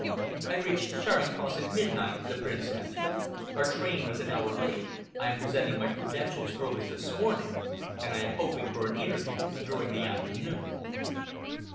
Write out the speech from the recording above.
"I reached Charing Cross at midnight," the Prince answered. "Our train was an hour late. I am presenting my credentials early this morning, and I am hoping for an interview during the afternoon."